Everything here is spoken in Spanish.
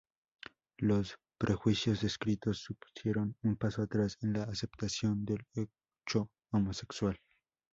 Los prejuicios descritos supusieron un paso atrás en la aceptación del hecho homosexual.